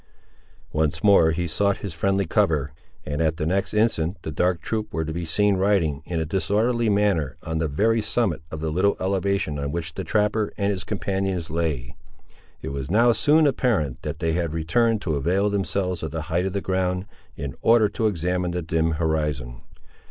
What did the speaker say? Once more he sought his friendly cover, and at the next instant the dark troop were to be seen riding, in a disorderly manner, on the very summit of the little elevation on which the trapper and his companions lay. It was now soon apparent that they had returned to avail themselves of the height of the ground, in order to examine the dim horizon.